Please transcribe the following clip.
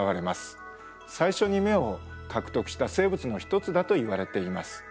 最初に眼を獲得した生物の一つだといわれています。